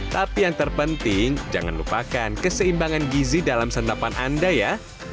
tapi yang terpenting jangan lupakan keseimbangan gizi dalam santapan anda ya